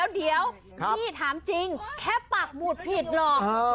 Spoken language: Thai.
เดี๋ยวพี่ถามจริงแค่ปากบูดผิดหรอก